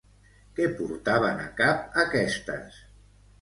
Què portaven a cap aquestes?